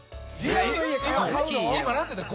今なんて言った？